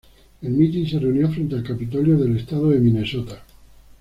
El mitin se reunió frente al Capitolio del Estado de Minnesota.